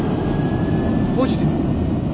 ポジティブ。